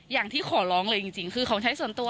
อย่างที่ขอร้องเลยจริงคือของใช้ส่วนตัว